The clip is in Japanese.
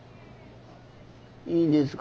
いいんですか？